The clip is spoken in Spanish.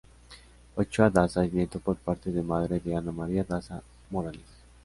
Ochoa Daza es nieto por parte de madre de Ana María Daza Morales.